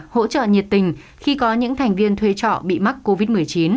hỗ trợ nhiệt tình khi có những thành viên thuê trọ bị mắc covid một mươi chín